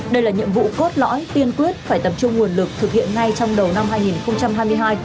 đây là nhiệm vụ cốt lõi tiên quyết phải tập trung nguồn lực thực hiện ngay trong đầu năm hai nghìn hai mươi hai